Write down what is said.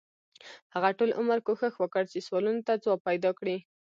هغه ټول عمر کوښښ وکړ چې سوالونو ته ځواب پیدا کړي.